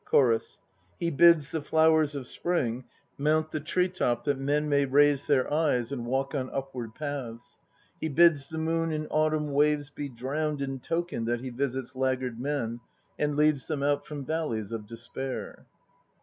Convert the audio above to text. CHORUS. He 2 bids the flowers of Spring Mount the tree top that men may raise their eyes And walk on upward paths; He bids the moon in autumn waves be drowned In token that he visits laggard men And leads them out from valleys of despair.